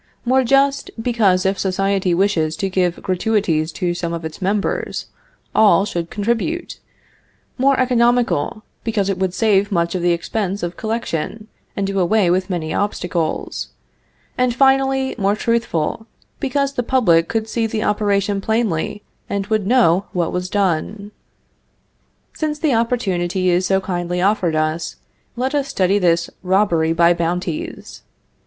More just, because if society wishes to give gratuities to some of its members, all should contribute; more economical, because it would save much of the expense of collection, and do away with many obstacles; and, finally, more truthful, because the public could see the operation plainly, and would know what was done." Since the opportunity is so kindly offered us, let us study this robbery by bounties.